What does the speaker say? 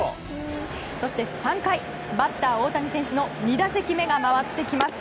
そして３回バッター大谷選手の２打席目が回ってきます。